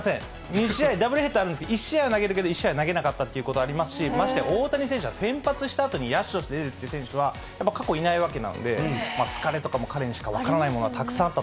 ２試合、ダブルヘッダーはあるんですけれども、１試合は投げるけど、１試合は投げなかったということありますし、ましてや大谷選手は、先発したあとに、野手として出るっていう選手は、やっぱ過去いないわけなので、疲れとかも、彼にしか分からない